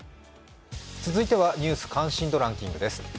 続いては「ニュース関心度ランキング」です。